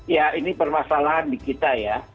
ya ini permasalahan di kita ya